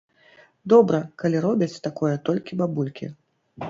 Добра, калі робяць такое толькі бабулькі.